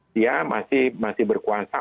dia masih berkuasa